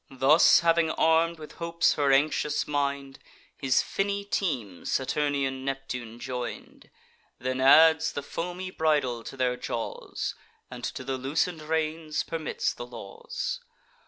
Thus having arm'd with hopes her anxious mind, His finny team Saturnian Neptune join'd, Then adds the foamy bridle to their jaws, And to the loosen'd reins permits the laws.